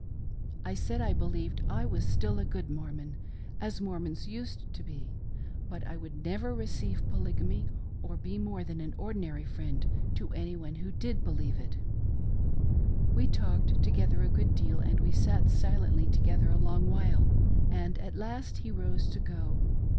I said I believed I was still a good Mormon, as Mor mons used to be, but I would never receive Polygamy, or be more than an ordi nary friend to any one who did believe it We talked together a good deal, and we sat silently together a long while ; and at last he rose to go.